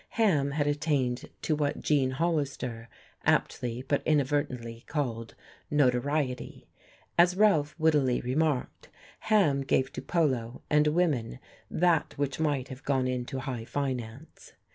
Ham had attained to what Gene Hollister aptly but inadvertently called "notoriety": as Ralph wittily remarked, Ham gave to polo and women that which might have gone into high finance.